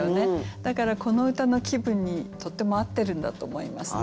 だからこの歌の気分にとっても合ってるんだと思いますね。